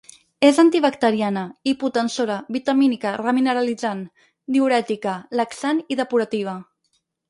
És antibacteriana, hipotensora, vitamínica, remineralitzant, diürètica, laxant i depurativa.